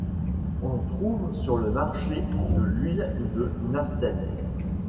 On trouve sur le marché de l'huile de naphtène.